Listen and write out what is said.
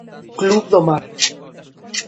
Club do mar.